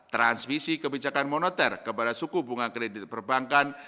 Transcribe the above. transmisi kebijakan moneter kepada suku bunga kredit perbankan